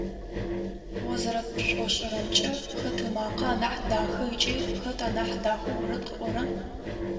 О зэрэпшӏошӏырэмкӏэ, хэт ымакъэ анахь даха ыкӏи хэт анахь дахэу орэд къыӏора?